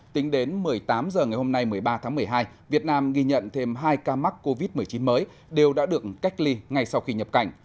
tính đến một mươi tám h ngày hôm nay một mươi ba tháng một mươi hai việt nam ghi nhận thêm hai ca mắc covid một mươi chín mới đều đã được cách ly ngay sau khi nhập cảnh